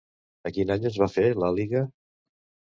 A quin any es va fer l'àliga?